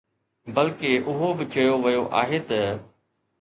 بلڪه اهو به چيو ويو آهي ته